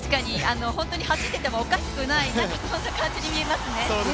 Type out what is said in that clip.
本当に走っていてもおかしくない、そんな感じに見えます。